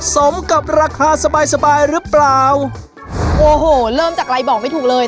สมกับราคาสบายสบายหรือเปล่าโอ้โหเริ่มจากอะไรบอกไม่ถูกเลย